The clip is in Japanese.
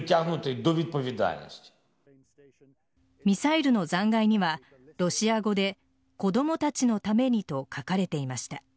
ミサイルの残骸にはロシア語で子供たちのためにと書かれていました。